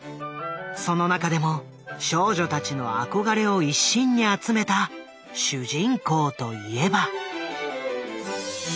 その中でも少女たちの憧れを一身に集めた主人公といえば。